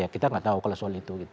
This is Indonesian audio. kita nggak tahu kalau soal itu